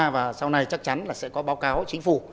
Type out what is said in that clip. và sau này chắc chắn là sẽ có báo cáo chính phủ